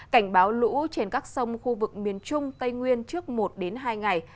cảnh báo lũ trên các sông khu vực miền trung tây nguyên trước một hai ngày